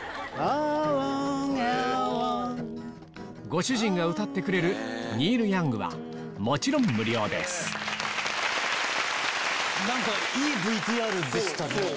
ご主人が歌ってくれるニール・ヤングはもちろん無料です何かいい ＶＴＲ でしたね。